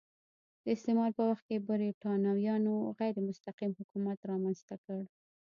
د استعمار په وخت کې برېټانویانو غیر مستقیم حکومت رامنځته کړ.